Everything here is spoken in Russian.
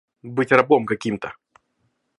Быть рабом каким-то!